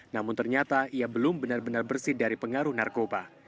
namun ternyata ia belum benar benar bersih dari pengaruh narkoba